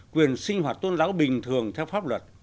quyền sinh hoạt tôn giáo bình thường theo pháp luật